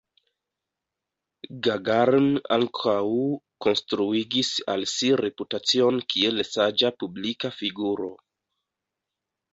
Gagarin ankaŭ konstruigis al si reputacion kiel saĝa publika figuro.